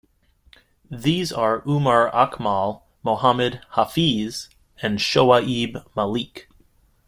These are Umar Akmal, Mohammad Hafeez and Shoaib Malik.